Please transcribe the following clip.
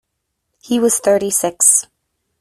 He was thirty-six.